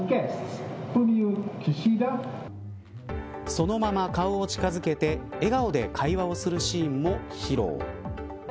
そのまま顔を近づけて笑顔で会話をするシーンも披露。